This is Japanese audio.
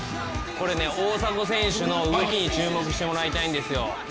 大迫選手の動きに注目してもらいたいんですよ。